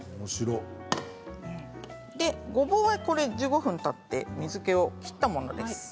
ごぼうは１５分たって水けを切ったものです。